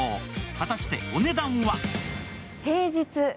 果たしてお値段は？